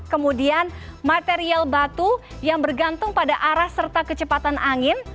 kemudian material batu yang bergantung pada arah serta kecepatan angin